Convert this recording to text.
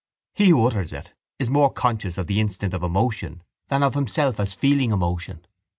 He who utters it is more conscious of the instant of emotion than of himself as feeling emotion.